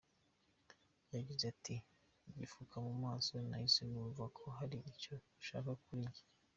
Yagize ati”akipfuka mu maso nahise numva ko hari icyo ushaka kuri jye”.